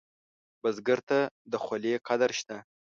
بزګر ته د خولې قدر شته